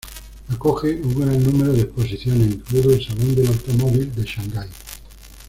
Acoge un gran número de exposiciones, incluido el Salón del Automóvil de Shanghái.